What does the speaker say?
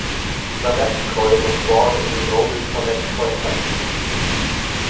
Trubetskoy was born in the noble Trubetskoy family.